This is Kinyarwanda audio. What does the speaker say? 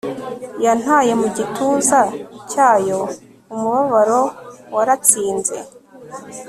Yantaye mu gituza cyayo umubabaro waratsinze